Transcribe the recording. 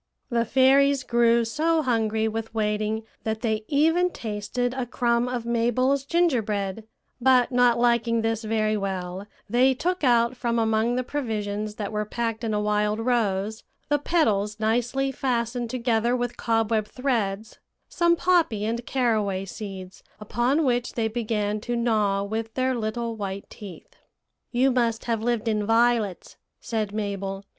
"The fairies grew so hungry with waiting that they even tasted a crumb of Mabel's gingerbread; but not liking this very well, they took out from among the provisions that were packed in a wild rose, the petals nicely fastened together with cobweb threads, some poppy and caraway seeds, upon which they began to gnaw with their little white teeth. "'You must have lived in violets,' said Mabel.